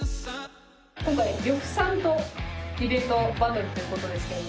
今回呂布さんとディベートバトルという事ですけれども。